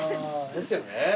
ですよね。